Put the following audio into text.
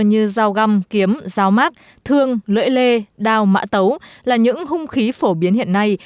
như dao găm kiếm dao mát thương lưỡi lê đào mã tấu là những hung khí phổ biến hiện nay